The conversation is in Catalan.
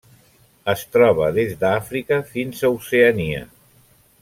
Es troba des d'Àfrica fins a Oceania.